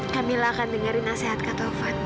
kak mila akan dengerin nasihat kak taufan